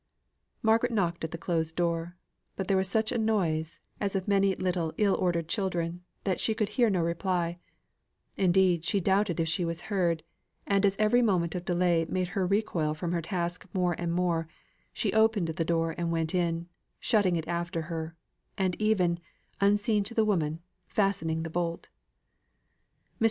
Margaret knocked at the closed door; but there was such a noise, as of many little ill ordered children, that she could hear no reply; indeed, she doubted if she was heard, and as every moment of delay made her recoil from her task more and more, she opened the door and went in, shutting it after her, and even, unseen by the woman, fastening the bolt. Mrs.